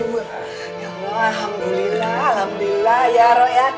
ya allah alhamdulillah alhamdulillah ya roh ya